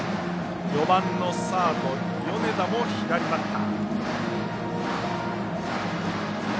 ４番、サード、米田も左バッター。